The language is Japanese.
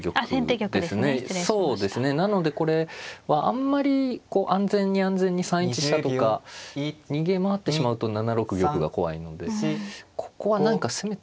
なのでこれはあんまりこう安全に安全に３一飛車とか逃げ回ってしまうと７六玉が怖いのでここは何か攻めた方がいいですね。